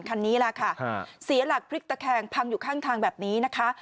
คันนี้แหละค่ะเสียหลักพลิกตะแคงพังอยู่ข้างทางแบบนี้นะคะ